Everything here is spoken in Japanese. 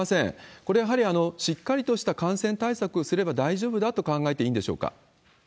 これ、やはりしっかりとした感染対策をすれば大丈夫だと考えていいんでしょうか？